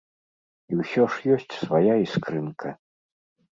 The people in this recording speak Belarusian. І ўсё ж ёсць свая іскрынка.